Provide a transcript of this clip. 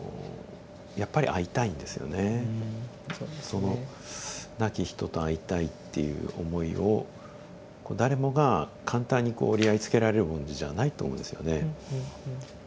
その亡き人と会いたいっていう思いを誰もが簡単にこう折り合いつけられるものじゃないと思うんですよね。